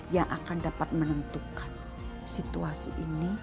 yang akan dapat menentukan situasi ini